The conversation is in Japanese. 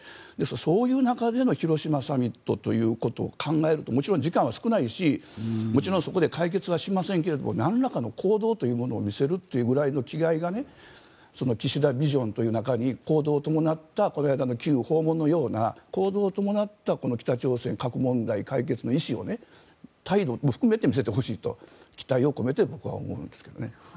そういう中での広島サミットということを考えるともちろん時間は少ないしもちろんそこで解決はしませんがなんらかの行動というものを見せるぐらいの気概が岸田ビジョンという中に行動を伴ったこの間のキーウ訪問のような行動を伴った北朝鮮の核問題解決の意思を態度も含めて見せてほしいと、期待を込めて僕は思うんですがね。